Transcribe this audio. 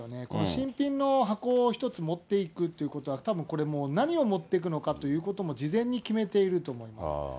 新品の箱を１つ持っていくということは、たぶんこれもう、何を持っていくのかということも事前に決めていると思います。